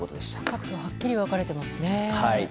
各党はっきり分かれてますね。